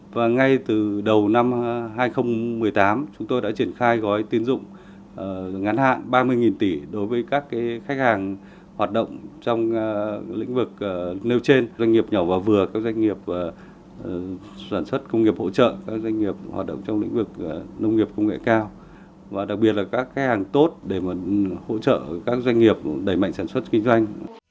và ngay từ đầu năm hai nghìn một mươi tám chúng tôi đã triển khai gói tín dụng ngắn hạn ba mươi tỷ đối với các khách hàng hoạt động trong lĩnh vực nêu trên doanh nghiệp nhỏ và vừa các doanh nghiệp sản xuất công nghiệp hỗ trợ các doanh nghiệp hoạt động trong lĩnh vực nông nghiệp công nghệ cao và đặc biệt là các khách hàng tốt để hỗ trợ các doanh nghiệp đẩy mạnh sản xuất kinh doanh